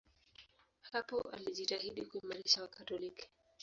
Hapo alijitahidi kuimarisha Wakatoliki.